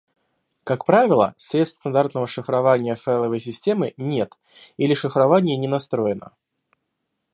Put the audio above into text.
Как правило, средств стандартного шифрования файловой системы нет или шифрование не настроено